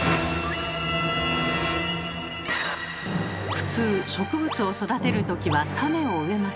普通植物を育てるときは種を植えますよね。